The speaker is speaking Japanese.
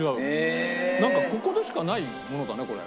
なんかここでしかないものだねこれ。